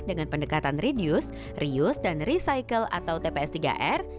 dengan pendekatan reduce reuse dan recycle atau tps tiga r